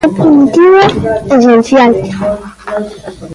É primitivo, esencial.